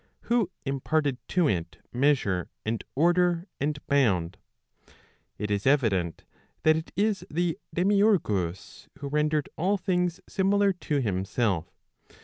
Who imparted to it measure and order, and bound ? It is evident that it is the demiurgus, who rendered all things similar to himself.